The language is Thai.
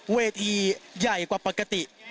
เวทีใหญ่กว่าปกติ